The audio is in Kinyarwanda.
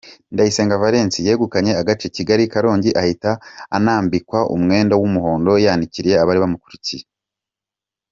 Ndayisenga Valens yegukanye agace Kigali-Karongi ahita anambikwa umwenda w’umuhondo yanikiye abari bamukurikiye